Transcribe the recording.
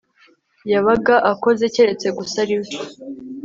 yabaga akoze keretse gusa ari we